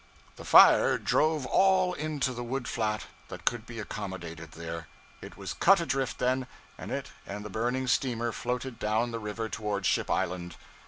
The fire drove all into the wood flat that could be accommodated there; it was cut adrift, then, and it and the burning steamer floated down the river toward Ship Island.